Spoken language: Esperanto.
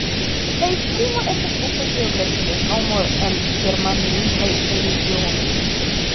La esprimo estas ofta geografia nomo en germanlingvaj regionoj.